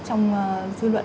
trong dư luận